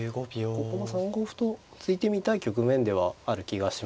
ここも３五歩と突いてみたい局面ではある気がしますね。